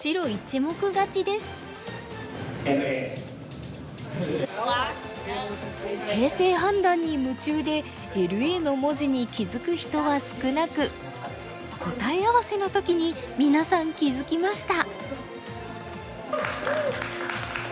正解は形勢判断に夢中で「ＬＡ」の文字に気付く人は少なく答え合わせの時に皆さん気付きました。